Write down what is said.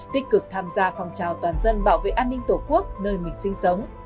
tích cực tham gia phòng trào toàn dân bảo vệ an ninh tổ quốc nơi mình sinh sống